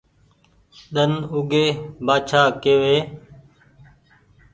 ۮن اوڳي بآڇآ ڪيوي